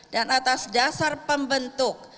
dan atas dasar pembentuk